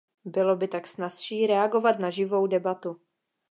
Bylo by tak snazší reagovat na živou debatu.